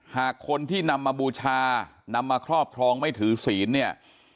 หากคนที่นำมาบูชานำมาครอบครองไม่ถือศีลเนี่ย